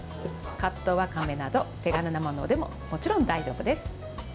カットわかめなど手軽なものでももちろん大丈夫です。